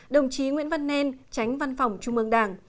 đồng chí nguyễn văn nen tránh văn phòng trung ương đảng